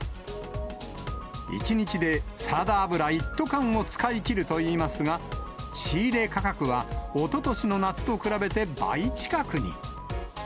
１日でサラダ油一斗缶を使い切るといいますが、仕入れ価格はおととしの夏と比べて倍近くに。